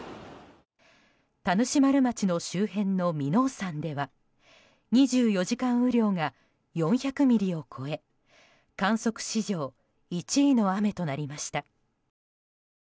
田主丸町の周辺の耳納山では２４時間雨量が４００ミリを超え観測史上１位の雨となりました。